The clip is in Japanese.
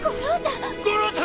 五郎太！